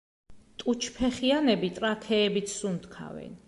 ტუჩფეხიანები ტრაქეებით სუნთქავენ.